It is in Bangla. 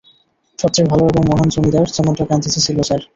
সবচেয়ে ভালো এবং মহান জমিদার, যেমনটা গান্ধীজি ছিল, স্যার।